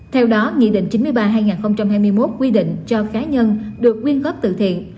theo đó nghị định chín mươi ba hai nghìn hai mươi một quy định cho khái nhân được nguyên góp tự thiện